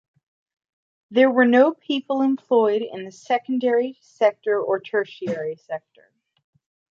There were no people employed in the secondary sector or tertiary sector.